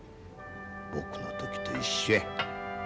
僕の時と一緒や。